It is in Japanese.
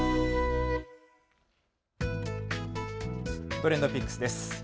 ＴｒｅｎｄＰｉｃｋｓです。